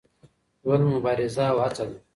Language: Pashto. ژوند مبارزه او هڅه ده.